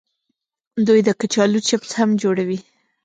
دوی د کچالو چپس هم جوړوي.